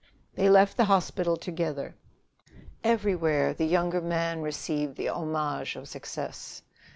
They left the hospital together. Everywhere the younger man received the homage of success.